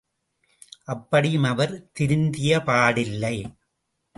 அப்படியும் அவர் திருந்தியபாடில்லை.